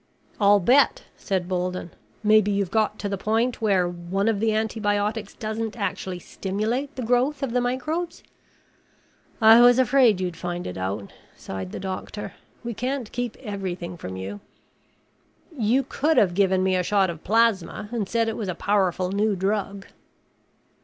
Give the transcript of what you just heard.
"I'll bet," said Bolden. "Maybe you've got to the point where one of the antibiotics doesn't actually stimulate the growth of the microbes?" "I was afraid you'd find it out," sighed the doctor. "We can't keep everything from you." "You could have given me a shot of plasma and said it was a powerful new drug."